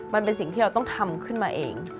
มันเป็นสิ่งที่เราต้องทำขึ้นมาเอง